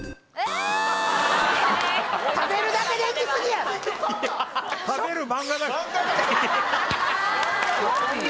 「食べる」だけでいきすぎやろ！